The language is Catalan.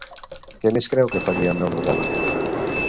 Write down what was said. Què més creu que faria Melrosada?